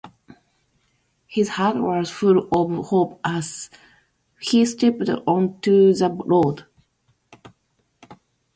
His heart was full of hope as he stepped onto the road.